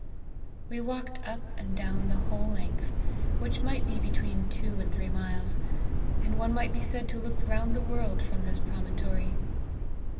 We walk ed up and down the whole length, which might be between two and three miles, and one might be said to look round the world from this promontory.